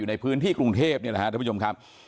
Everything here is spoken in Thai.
ในพื้นที่กรุงเทพเนี่ยนะครับท่านผู้ชมครับ